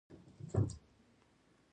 اشوکا په ډبرو فرمانونه ولیکل.